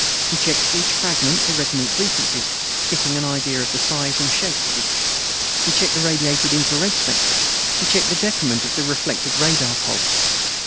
He checked each fragment for resonant frequencies, getting an idea of the size and shape of each. He checked the radiated infrared spectrum. He checked the decrement of the reflected radar pulse.